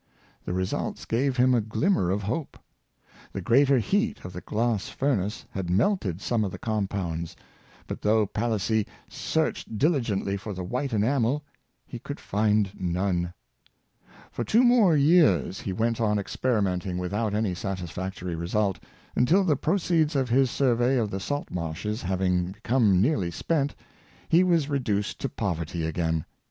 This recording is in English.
The results gave him a glimmer of hope. The greater heat of the glass furnace had melted some of the com pounds, but though Palissy searched diligently for the white enamel he could find none. For two more years he went on experimenting with out any satisfactory result, until the proceeds of his sur vey of the salt marshes having become nearly spent, he was reduced to poverty again.